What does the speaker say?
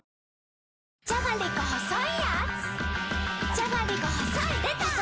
じゃがりこ細いやーつ